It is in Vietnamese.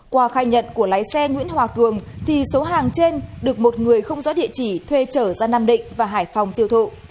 qua khai nhận của lái xe nguyễn hòa cường thì số hàng trên được một người không rõ địa chỉ thuê trở ra nam định và hải phòng tiêu thụ